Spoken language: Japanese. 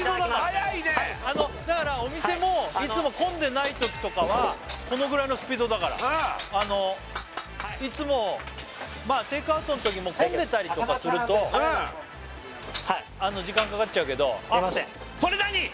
速いねだからお店もいつも混んでないときとかはこのぐらいのスピードだからいつもまあテイクアウトのときも混んでたりとかすると高菜炒飯です時間かかっちゃうけどそれ何？